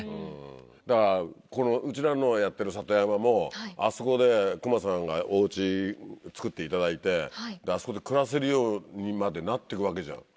だからうちらのやってる里山もあそこで隈さんがお家造っていただいてあそこで暮らせるようにまでなっていくわけじゃん。